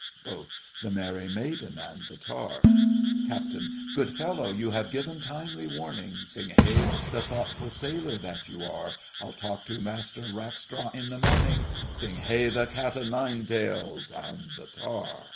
BOTH. The merry maiden and the tar. CAPT. Good fellow, you have given timely warning, Sing hey, the thoughtful sailor that you are, I'll talk to Master Rackstraw in the morning: Sing hey, the cat o' nine tails and the tar.